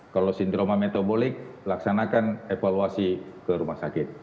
kalau sindroma metabolik laksanakan evaluasi ke rumah sakit